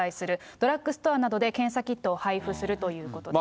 ドラッグストアなどで検査キットを配布するということです。